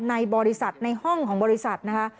ในบริษัทในห้องของบริษัทนะคะ